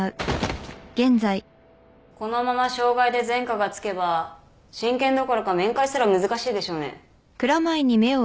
このまま傷害で前科がつけば親権どころか面会すら難しいでしょうね。